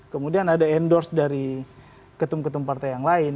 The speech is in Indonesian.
kemudian ada endorse dari ketum ketum partai yang lain